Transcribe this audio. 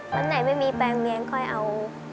วันไหนไม่มีแปลงเลี้ยงค่อยเอา